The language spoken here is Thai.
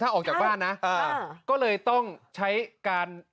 ถ้าออกจากบ้านนะก็เลยต้องใช้การ